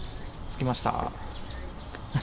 着きました。